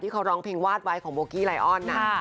คือเป็นเพลงวาดไว้ของโบกี้ไลออนนะ